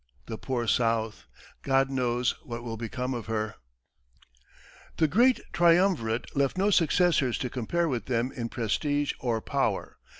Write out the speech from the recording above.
The poor South! God knows what will become of her!" The great triumvirate left no successors to compare with them in prestige or power.